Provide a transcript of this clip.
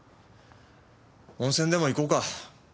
温泉でも行こうか。